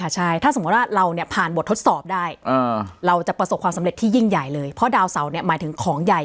จะประสบความสำเร็จที่ยิ่งใหญ่เลยเพราะดาวเสาร์เนี่ยหมายถึงของใหญ่